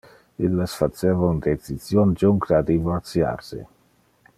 Illes faceva un decision juncte a divorciar se.